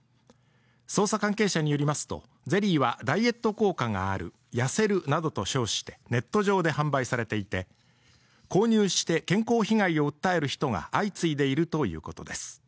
捜査関係者によりますとゼリーはダイエット効果がある痩せるなどと称してネット上で販売されていて購入して健康被害を訴える人が相次いでいるということです